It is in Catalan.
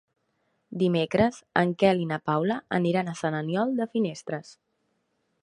Dimecres en Quel i na Paula aniran a Sant Aniol de Finestres.